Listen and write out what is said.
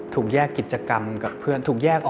ถูกแยกกิจกรรมกับเพื่อน